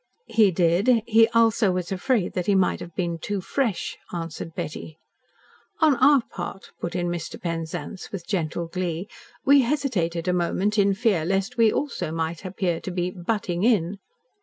"He did. He also was afraid that he might have been 'too fresh.'" answered Betty. "On our part," said Mr. Penzance, with gentle glee, "we hesitated a moment in fear lest we also might appear to be 'butting in.'"